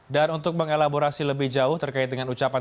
dan untuk mengelaborasi lebih jauh terkait dengan ucapan